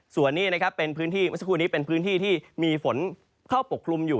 ส่วนนี้เป็นพื้นที่ที่มีฝนเข้าปกคลุมอยู่